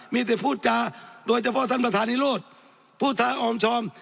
มีแต่พูดจาโดยเฉพาะท่านประธานนิโรธพูดทางออมชอม